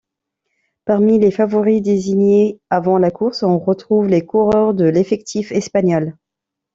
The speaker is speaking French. Parmi les favoris désignés avant la course, on retrouve les coureurs de l'effectif espagnol.